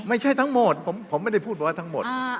ไม่ใช่ทั้งหมดผมไม่ได้พูดบอกว่าทั้งหมด